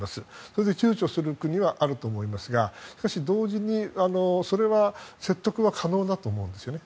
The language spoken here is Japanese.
当然ちゅうちょする国はあると思いますが、同時にそれは説得が可能だと思うんですね。